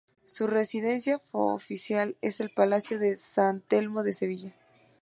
Su residencia oficial es el Palacio de San Telmo de Sevilla.